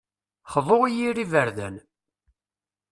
Xḍu i yir iberdan.